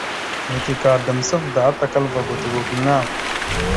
Neke ka damsavda atakalva godogo gaŋa.